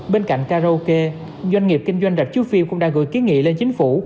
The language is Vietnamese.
bên cạnh karaoke doanh nghiệp kinh doanh rạch chú phiêu cũng đã gửi ký nghị lên chính phủ